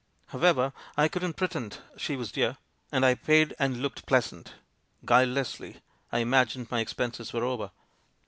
However, I couldn't pretend she was dear, and I paid and looked pleasant. Guile lessly, I imagined my expenses were over.